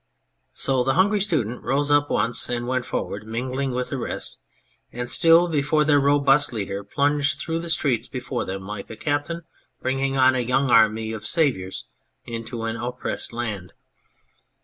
So the Hungry Student rose up at once and went forward, mingling with the rest ; and still their robust leader plunged through the streets before them like a captain bringing on a young army of saviours into an oppressed land.